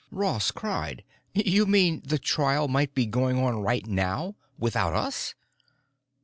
Ross cried, "You mean the trial might be going on right now without us?"